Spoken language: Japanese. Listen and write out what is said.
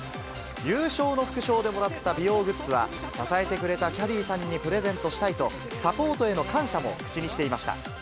優勝の副賞でもらった美容グッズは、支えてくれたキャディーさんにプレゼントしたいと、サポートへの感謝も口にしていました。